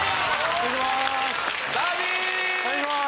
お願いします